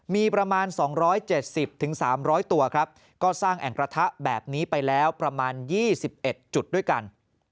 มีประมาณ๒๗๐๓๐๐ตัวครับก็สร้างแอ่งกระทะแบบนี้ไปแล้วประมาณ๒๑จุดด้วยกัน